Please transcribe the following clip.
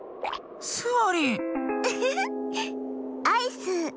アイス。